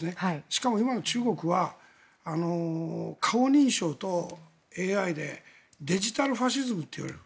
しかも今の中国は顔認証とＡＩでデジタルファシズムと呼ばれる。